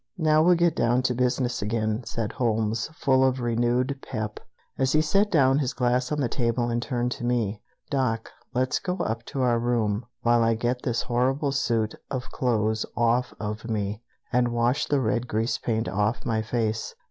Now we'll get down to business again," said Holmes, full of renewed "pep," as he set down his glass on the table and turned to me. "Doc, let's go up to our room while I get this horrible suit of clothes off of me, and wash the red grease paint off my face.